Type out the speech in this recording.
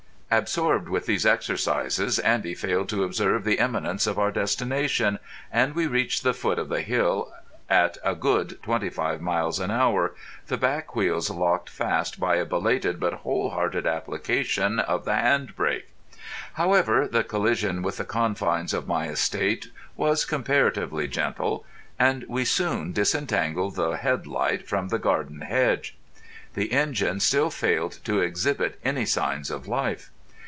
Absorbed with these exercises, Andy failed to observe the imminence of our destination, and we reached the foot of the hill at a good twenty five miles an hour, the back wheels locked fast by a belated but whole hearted application of the hand brake. However, the collision with the confines of my estate was comparatively gentle, and we soon disentangled the head light from the garden hedge. The engine still failed to exhibit any signs of life.